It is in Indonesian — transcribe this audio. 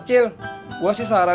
kalau sakit kepala